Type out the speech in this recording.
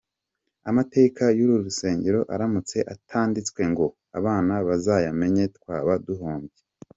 Amateka y’uru rusengero aramutse atanditswe ngo abana bazayamenye twaba duhombye.